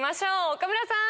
岡村さん。